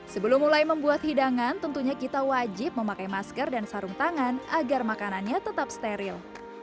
sebelum mulai membuat hidangan tentunya kita wajib memakai masker dan sarung tangan agar makanannya tetap steril